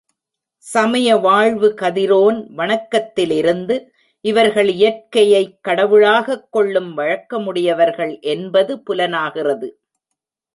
சமய வாழ்வு கதிரோன் வணக்கத்திலிருந்து, இவர்கள் இயற்கையைக் கடவுளாகக் கொள்ளும் வழக்கமுடையவர்கள் என்பது புலனாகிறது.